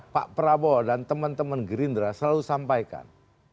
pak prabowo dan teman teman gerindra selalu sampaikan